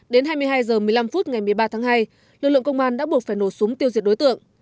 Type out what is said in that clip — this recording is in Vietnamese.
đến hai mươi hai h một mươi năm phút ngày một mươi ba tháng hai lực lượng công an đã buộc phải nổ súng tiêu diệt đối tượng